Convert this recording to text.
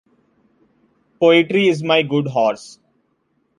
Poetry is my good horse.